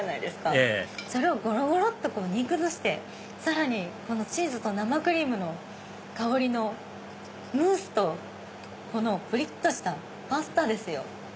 ええそれをごろごろっと煮崩してさらにチーズと生クリームの香りのムースとこのぷりっとしたパスタですよ。